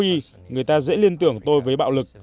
tôi là người châu phi người ta dễ liên tưởng tôi với bạo lực